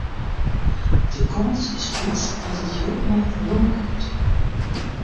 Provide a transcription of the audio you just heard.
De kâns is lyts dat it jild noch werom komt.